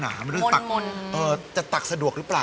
มันจะตักสะดวกหรือเปล่า